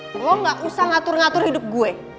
gue gak usah ngatur ngatur hidup gue